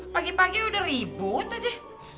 pagi pagi udah ribut aja